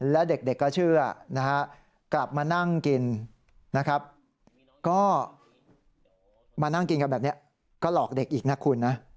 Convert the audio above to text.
และเด็กก็เชื่อนะฮะกลับมานั่งกินนะครับก็มานั่งกินกันแบบนี้ก็หลอกเด็กอีกนะคุณนะ